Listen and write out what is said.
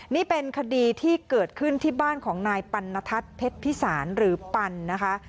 นี่เป็นคดีที่เกิดขึ้นที่บ้านของนายปันนทัศน์เพชรพิสารหรือปันนะคะ